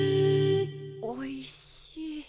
おいしい。